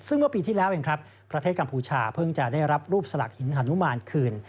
ซึ่งเมื่อปีที่แล้วเองครับประเทศกัมพูชาเพิ่งจะได้รับรูปสลักหินฮานุมานคืน